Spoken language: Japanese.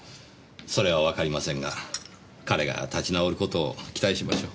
それはわかりませんが彼が立ち直る事を期待しましょう。